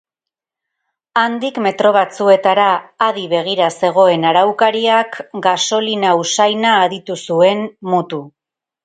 Handik metro batzuetara adi begira zegoen araukariak gasolina usaina aditu zuen, mutu.